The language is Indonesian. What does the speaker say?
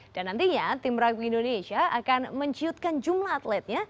dan nantinya tim rugby indonesia akan menciutkan jumlah atletnya